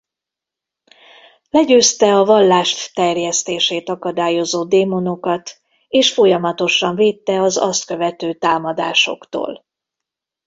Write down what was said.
Legyőzte a vallást terjesztését akadályozó démonokat és folyamatosan védte az azt követő támadásoktól.